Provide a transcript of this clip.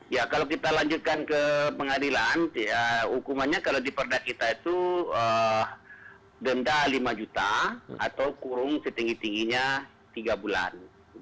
ya kalau kita lanjutkan ke pengadilan hukumannya kalau di perda kita itu denda lima juta atau kurung setinggi tingginya tiga bulan